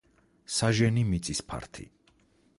საჟენი მიწის ფართი.